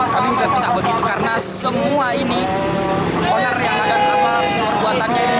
kami minta tidak begitu karena semua ini onar yang ada selama perbuatannya ini